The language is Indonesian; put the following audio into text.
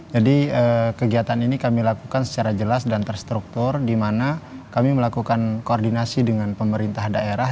jadi kegiatan ini kami lakukan secara jelas dan terstruktur di mana kami melakukan koordinasi dengan pemerintah daerah